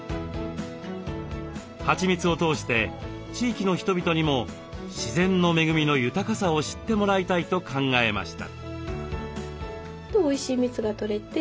はちみつを通して地域の人々にも自然の恵みの豊かさを知ってもらいたいと考えました。